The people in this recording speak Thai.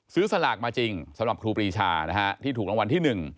สลากมาจริงสำหรับครูปรีชานะฮะที่ถูกรางวัลที่๑